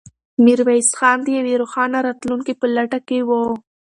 میرویس خان د یوې روښانه راتلونکې په لټه کې و.